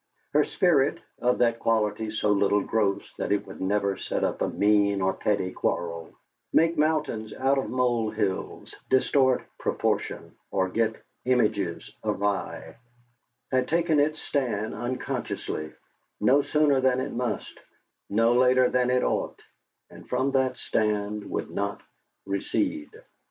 Her spirit, of that quality so little gross that it would never set up a mean or petty quarrel, make mountains out of mole hills, distort proportion, or get images awry, had taken its stand unconsciously, no sooner than it must, no later than it ought, and from that stand would not recede.